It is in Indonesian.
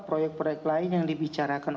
proyek proyek lain yang dibicarakan